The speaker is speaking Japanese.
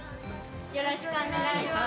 よろしくお願いします。